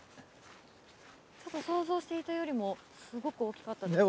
ちょっと想像していたよりもすごく大きかったです。